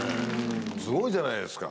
すごいじゃないですか。